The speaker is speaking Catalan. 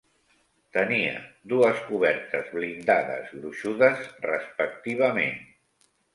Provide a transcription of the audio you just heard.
Tenia dues cobertes blindades gruixudes, respectivament.